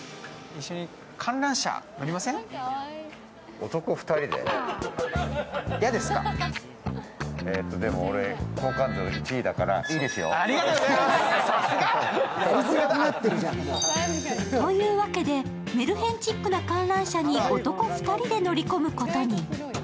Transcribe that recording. ありがとうございます、さすが！というわけでメルヘンチックな観覧車に男２人で乗り込むことに。